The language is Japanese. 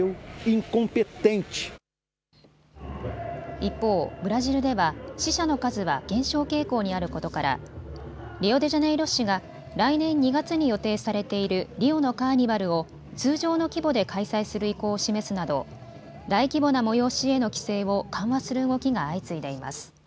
一方、ブラジルでは死者の数は減少傾向にあることからリオデジャネイロ市が来年２月に予定されているリオのカーニバルを通常の規模で開催する意向を示すなど、大規模な催しへの規制を緩和する動きが相次いでいます。